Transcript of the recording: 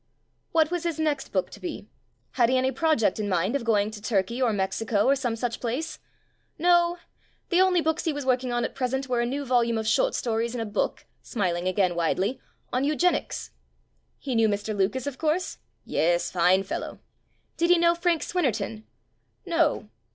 What was his next book to be? Had he any project in mind of going to Turkey, or Mexico, or some such place? No; the only books he was working on at present were a new volume of short stories and a book (smiling again widely) on eu genics. He knew Mr. Lucas, of course? "Yes, fine fellow." Did he know Frank Swinnerton? No.